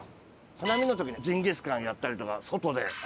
花見の時にジンギスカンやったりとか外で。